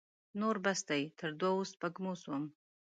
نور بس دی؛ تر دوو سپږمو سوم.